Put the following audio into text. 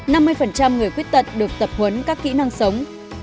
năm mươi người khuyết tật được tập huấn các kỹ năng sống